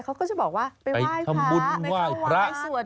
เขาก็จะบอกว่าไปไหว้พระไปเข้าวัดไปสวดวัด